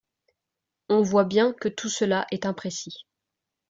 On voit bien que tout cela est imprécis.